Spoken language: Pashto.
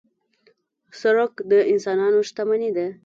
سړک د انسانانو شتمني ده.